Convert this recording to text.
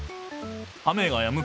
雨がやむ。